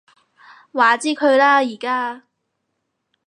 話之佢啦而家